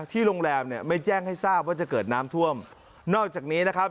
โรงแรมเนี่ยไม่แจ้งให้ทราบว่าจะเกิดน้ำท่วมนอกจากนี้นะครับ